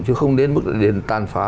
chứ không đến mức tàn phá